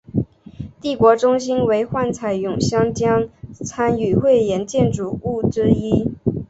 帝国中心为幻彩咏香江参与汇演建筑物之一。